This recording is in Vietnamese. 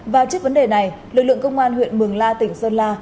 và trước vấn đề này lực lượng công an huyện mường la tỉnh sơn la